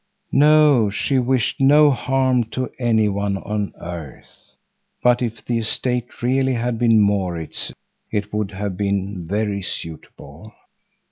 No, she wished no harm to any one on earth, but if the estate really had been Maurits's, it would have been very suitable.